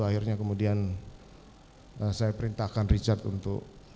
akhirnya kemudian saya perintahkan richard untuk